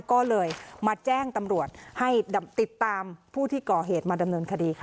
ก็เลยมาแจ้งตำรวจให้ติดตามผู้ที่ก่อเหตุมาดำเนินคดีค่ะ